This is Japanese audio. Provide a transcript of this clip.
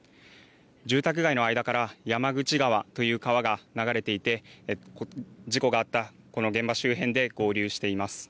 住宅街の間から山口川という川が流れていて事故があったこの現場周辺で合流しています。